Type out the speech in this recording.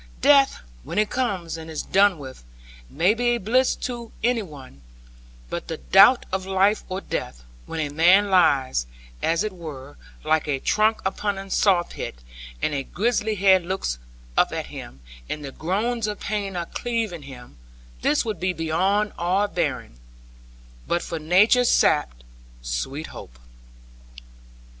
Death, when it comes and is done with, may be a bliss to any one; but the doubt of life or death, when a man lies, as it were, like a trunk upon a sawpit and a grisly head looks up at him, and the groans of pain are cleaving him, this would be beyond all bearing but for Nature's sap sweet hope.'